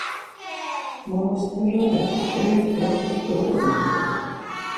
Maosteralek berepe dido oromt̆u.